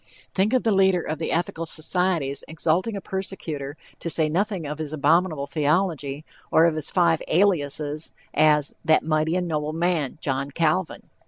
Think of the leader of the Ethical Societies exalting a persecutor, to say nothing of his abominable theology, or of his five aliases, as "that mighty and noble man; John Calvin!"